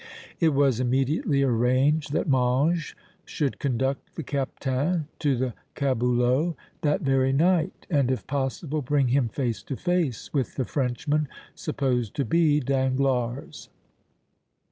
It was immediately arranged that Mange should conduct the Captain to the caboulot that very night and, if possible, bring him face to face with the Frenchman supposed to be Danglars.